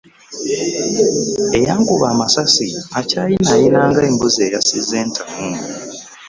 Eyankuba amasasi akyayinaayina nga mbuzi eyasizza entamu.